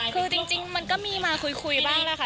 คือจริงมันก็มีมาคุยบ้างแหละค่ะ